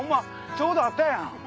ちょうどあったやん。